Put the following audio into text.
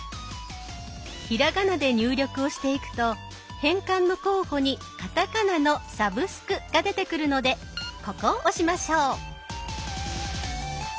ひらがなで入力をしていくと変換の候補にカタカナの「サブスク」が出てくるのでここを押しましょう。